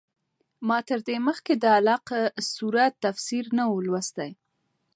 ما تر دې مخکې د علق سورت تفسیر نه و لوستی.